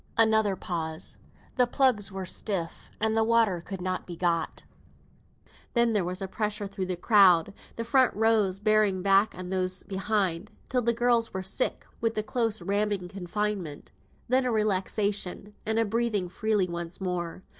Another pause; the plugs were stiff, and water could not be got. Then there was a pressure through the crowd, the front rows bearing back on those behind, till the girls were sick with the close ramming confinement. Then a relaxation, and a breathing freely once more.